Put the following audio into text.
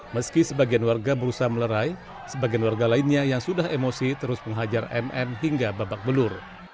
meski sebagian warga berusaha melerai sebagian warga lainnya yang sudah emosi terus menghajar mm hingga babak belur